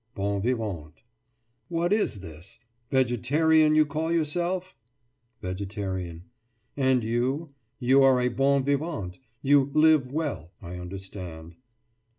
BON VIVANT: What is this? "Vegetarian" you call yourself? VEGETARIAN: And you? You are a bon vivant. You "live well," I understand.